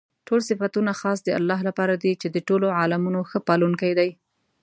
ټول صفتونه خاص د الله لپاره دي چې د ټولو عالَمونو ښه پالونكى دی.